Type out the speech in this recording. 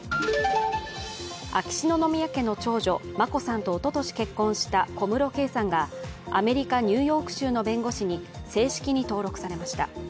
秋篠宮家の長女・眞子さんとおととし結婚した小室圭さんがアメリカ・ニューヨーク州の弁護士に正式に登録されました。